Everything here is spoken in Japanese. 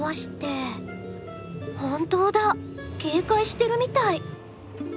本当だ警戒してるみたい。